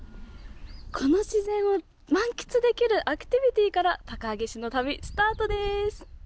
この自然を満喫できるアクティビティーから高萩市の旅スタートです！